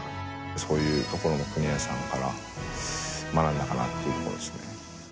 そういうところも国枝さんから学んだかなっていう感じですね。